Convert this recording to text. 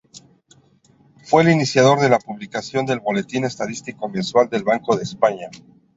Fue el iniciador de la publicación del "Boletín Estadístico Mensual del Banco de España".